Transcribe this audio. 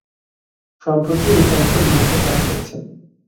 সম্প্রতি এই তন্ত্র বিলুপ্ত করা হয়েছে।